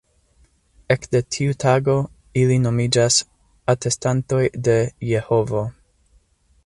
Ekde tiu tago, ili nomiĝas "Atestantoj de Jehovo".